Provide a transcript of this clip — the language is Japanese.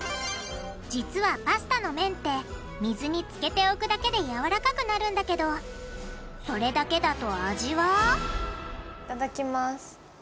実はパスタの麺って水につけておくだけでやわらかくなるんだけどそれだけだと味はいただきます。